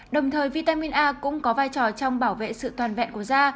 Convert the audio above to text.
đồng thời vitamin a cũng có vai trò trong bảo vệ sự toàn vẹn của da